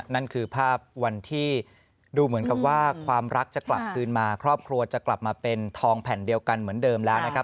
นั่นคือภาพวันที่ดูเหมือนกับว่าความรักจะกลับคืนมาครอบครัวจะกลับมาเป็นทองแผ่นเดียวกันเหมือนเดิมแล้วนะครับ